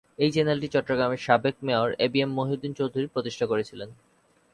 এই চ্যানেলটি চট্টগ্রামের সাবেক মেয়র এবিএম মহিউদ্দিন চৌধুরী প্রতিষ্ঠা করেছিলেন।